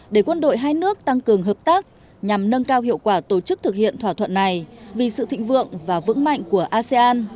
để quân đội hai nước tăng cường hợp tác nhằm nâng cao hiệu quả tổ chức thực hiện thỏa thuận này vì sự thịnh vượng và vững mạnh của asean